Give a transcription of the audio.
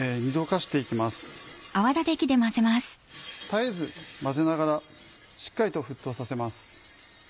絶えず混ぜながらしっかりと沸騰させます。